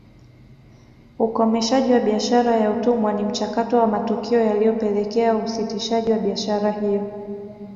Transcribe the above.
Ukomeshaji wa biashara ya utumwa ni mchakato wa matukio yaliyopelekea usitishaji wa biashara hiyo